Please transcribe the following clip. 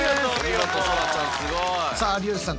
さあ有吉さん